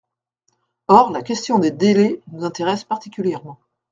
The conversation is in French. Or la question des délais nous intéresse particulièrement.